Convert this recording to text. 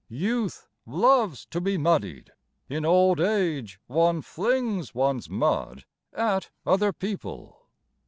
Youth loves to be muddied; In old age one flings one's mud at other people.